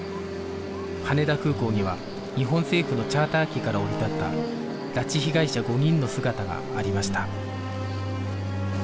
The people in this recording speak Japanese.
羽田空港には日本政府のチャーター機から降り立った拉致被害者５人の姿がありました